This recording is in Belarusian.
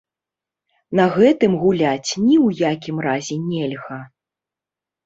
На гэтым гуляць ні ў якім разе нельга!